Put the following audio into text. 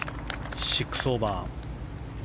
６オーバー。